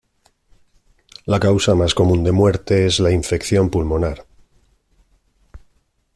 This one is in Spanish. La causa más común de muerte es la infección pulmonar.